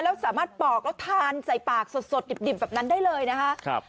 แล้วสามารถปอกแล้วทานใส่ปากสดดิบแบบนั้นได้เลยนะคะ